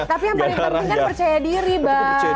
tapi yang paling penting kan percaya diri bang